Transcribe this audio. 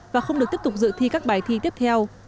và không được tiếp tục dự thi các bài thi tiếp theo